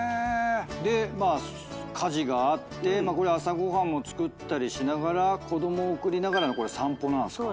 で家事があって朝ご飯も作ったりしながら子供を送りながらの散歩なんすか。